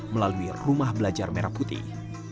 melalui rumah belajar merah putih